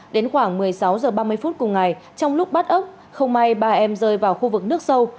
đến khoảng một mươi sáu h ba mươi phút cùng ngày trong lúc bắt ốc không may ba em rơi vào khu vực nước sâu